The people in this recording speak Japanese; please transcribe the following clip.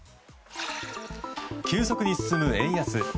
急速に進む円安。